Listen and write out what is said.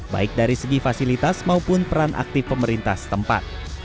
baik dari segi fasilitas maupun peran aktif pemerintah setempat